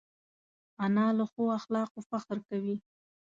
انا له ښو اخلاقو فخر کوي